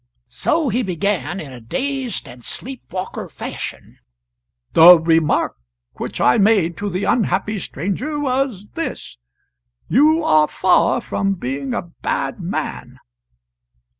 So he began, in a dazed and sleep walker fashion: "'The remark which I made to the unhappy stranger was this: "You are far from being a bad man.